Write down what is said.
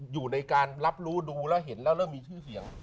อยู่ในการรับรู้ดูแล้วเห็นแล้วเริ่มมีชื่อเสียง